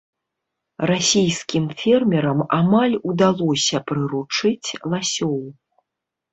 Расійскім фермерам амаль удалося прыручыць ласёў.